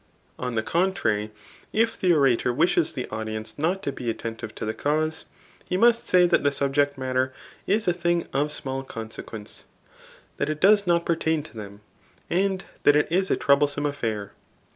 On the contrary, if the orator wi^es the audience not to be attentive to the cause, he must €Xf that the subject matter is a thing of small consequence^ that it does not pertain to them, and that it is a trouble some aifair.